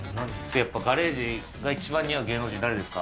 やっぱガレージが一番似合う芸能人誰ですか？